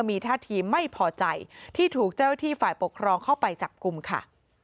มีท่าทีไม่พอใจที่ถูกเจ้าหน้าที่ฝ่ายปกครองเข้าไปจับกลุ่มค่ะ